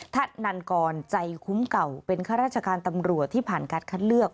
นันกรใจคุ้มเก่าเป็นข้าราชการตำรวจที่ผ่านการคัดเลือก